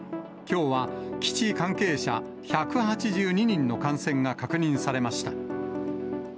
きょうは基地関係者１８２人の感染が確認されました。